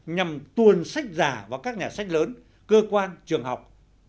nhằm tuồn sách giả vào các nhà sách lớn cơ quan trường học